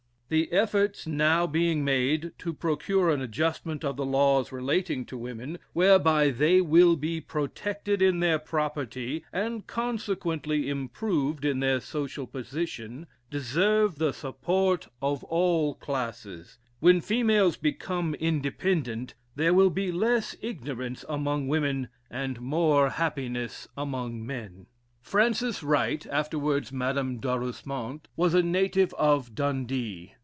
The efforts now being made to procure an adjustment of the laws relating to women, whereby they will be protected in their property, and consequently improved in their social position, deserve the support of all classes; When females become independent, there will be less ignorance among women and more happiness among men. Frances Wright, afterwards Madame D'Arusmont, was a native of Dundee.